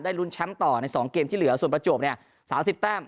ลุ้นแชมป์ต่อใน๒เกมที่เหลือส่วนประจวบเนี่ย๓๐แต้ม